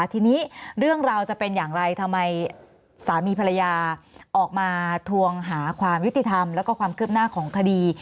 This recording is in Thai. ทีนี้เรื่องราวจะเป็นอย่างไรทำไมสามีภรรยาออกมาทวงหาความยุติธรรมแล้วก็ความคืบหน้าของคดี